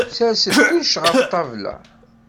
Sers-d kullec ɣef ṭṭabla!